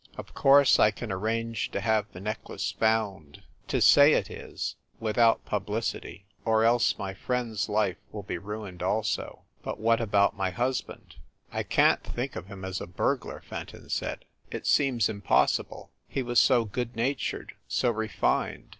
Of course, I can arrange to have the necklace found, to say it is, without pub licity, or else my friend s life will be ruined also. But what about my husband ?" "I can t think of him as a burglar," Fenton said. "It seems impossible. He was so good natured, so refined.